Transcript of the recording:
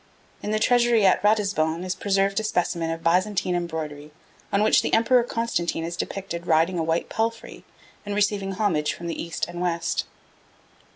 In the treasury at Ratisbon is preserved a specimen of Byzantine embroidery on which the Emperor Constantine is depicted riding on a white palfrey, and receiving homage from the East and West.